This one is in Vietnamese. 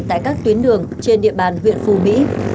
tại các tuyến đường trên địa bàn huyện phù mỹ